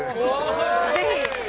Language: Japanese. ぜひ。